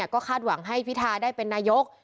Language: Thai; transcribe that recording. ก็คาดหวังให้พิทาได้เป็นนายก